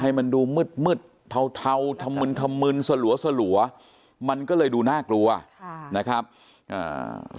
ให้มันดูมึดมึดเทาทำมืนสลัวมันก็เลยดูน่ากลัวนะครับอ่า